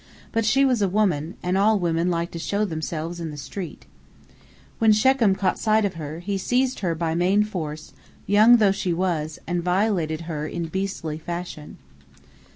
But she was a woman, and all women like to show themselves in the street. When Shechem caught sight of her, he seized her by main force, young though she was, and violated her in beastly fashion.